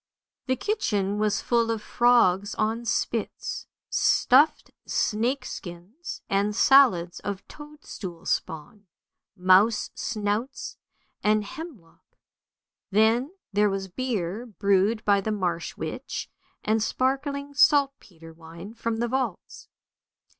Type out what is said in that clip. The kitchen was full of frogs on spits, stuffed snake skins, and salads of toadstool spawn, mouse snouts and hem lock. Then there was beer brewed by the marsh witch, and sparkling saltpetre wine from the vaults.